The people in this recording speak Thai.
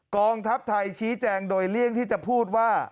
กองทัพไทยชี้แจงโดยเลี่ยงที่จะพูดว่า